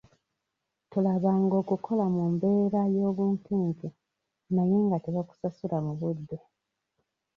Tolabanga okukola mu mbeera y'obunkenke naye nga tebakusasula mu budde.